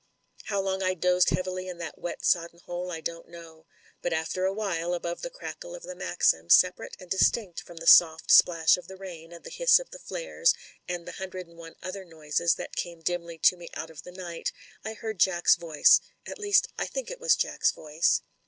"How long Fd dozed heavily in that wet sodden hole I don't know, but after a while above the crackle of the maxim, separate and distinct from the soft splash of the rain, and the hiss of the flares, and the hundred and one other noises that came dimly to me out of the night, I heard Jack's voice — ^at least I think it was Jack's voice."